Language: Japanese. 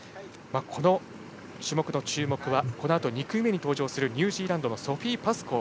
この種目の注目は、このあと２組目に登場するニュージーランドのソフィー・パスコー。